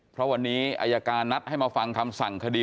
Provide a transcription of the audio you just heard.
เพราะวันนี้อายการนัดให้มาฟังคำสั่งคดี